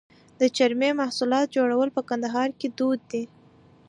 د چرمي محصولاتو جوړول په کندهار کې دود دي.